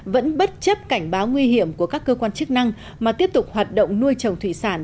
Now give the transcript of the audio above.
vẫn bất chấp cảnh báo nguy hiểm của các cơ quan chức năng mà tiếp tục hoạt động nuôi trồng thủy sản